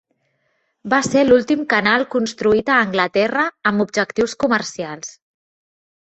Va ser l'últim canal construït a Anglaterra amb objectius comercials.